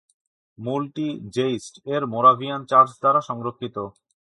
মূলটি জেইস্ট এর Moravian church দ্বারা সংরক্ষিত।